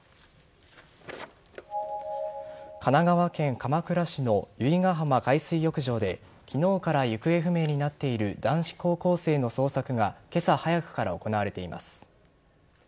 神奈川県鎌倉市の由比ガ浜海水浴場で昨日から行方不明になっている男子高校生の捜索が今朝早くから行われています。